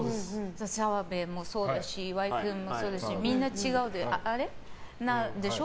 澤部もそうだし岩井君もそうだしみんな違うでしょ？